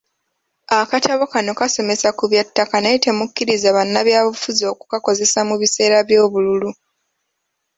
Akatabo kano kasomesa ku bya ttaka naye temukkiriza bannabyabufuzi okukakozesa mu biseera by'obululu.